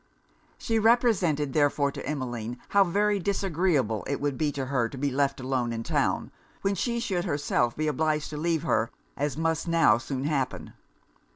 She represented therefore to Emmeline how very disagreeable it would be to her to be left alone in town, when she should herself be obliged to leave her, as must now soon happen.